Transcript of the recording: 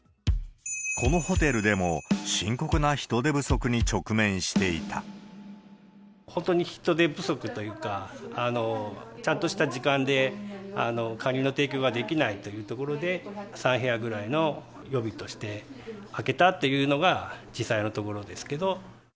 このホテルでも、本当に人手不足というか、ちゃんとした時間でカニの提供ができないというところで、３部屋ぐらいの予備として、空けたっていうのが実際のところですけど。